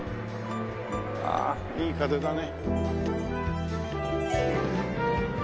ああいい風だね。